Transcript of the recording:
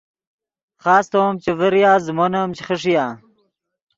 خاستو ام چے ڤریا زیمون ام چے خݰیا